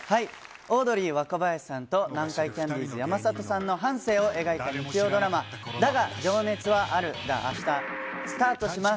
オードリー・若林さんと南海キャンディーズ山里さんの半生を描いた日曜ドラマ『だが、情熱はある』が明日スタートします。